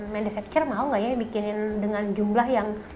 manufacture mau gak ya bikinin dengan jumlah yang